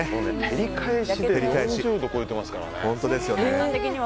照り返しで４０度超えてますからね。